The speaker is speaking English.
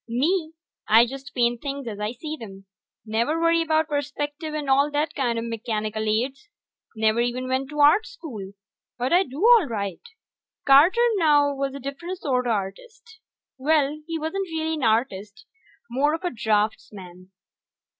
Me, I just paint things as I see 'em. Never worry about perspective and all that kinda mechanical aids. Never even went to Art School. But I do all right. Carter, now, was a different sorta artist. Well, he wasn't really an artist more of a draftsman.